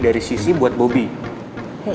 dari sisi buat bobby